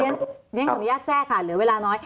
ผู้กับขาขออนุญาตแทรกค่ะเหลือเวลาน้อย